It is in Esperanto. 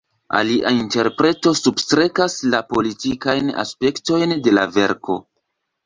Alia interpreto substrekas la politikajn aspektojn de la verko.